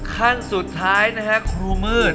ขั้นสุดท้ายนะฮะครูมืด